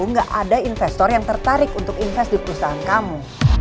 nggak ada investor yang tertarik untuk investasi di perusahaan kamu